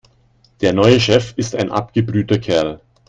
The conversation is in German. Der neue Chef ist ein abgebrühter Kerl.